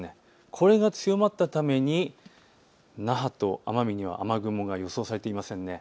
これが強まったために那覇と奄美には雨雲が予想されていません。